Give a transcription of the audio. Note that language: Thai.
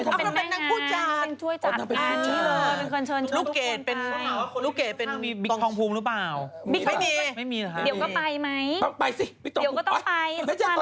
แต่ไม่รู้ว่าตอนนี้เป็นยังไงบ้างเนอะ